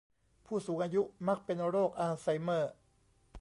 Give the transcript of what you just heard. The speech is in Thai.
ผู้สูงอายุมักเป็นโรคอัลไซเมอร์